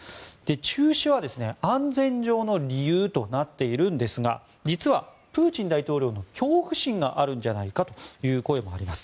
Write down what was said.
中止は安全上の理由となっているんですが実は、プーチン大統領の恐怖心があるんじゃないかという声もあります。